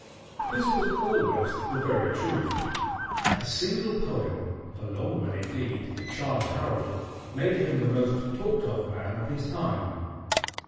This was almost the very truth. A single poem, a long one indeed, "Childe Harold," made him the most talked of man of his time.